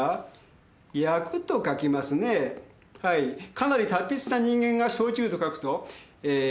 かなり達筆な人間が「焼酎」と書くとえー